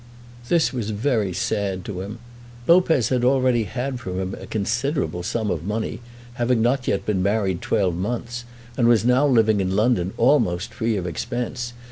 This was very sad to him. Lopez had already had from him a considerable sum of money, having not yet been married twelve months, and was now living in London almost free of expense.